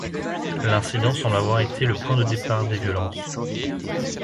L'incident semble avoir été le point de départ des violences.